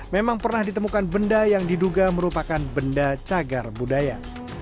memang pernah ditemukan benda yang diduga merupakan benda cagar budaya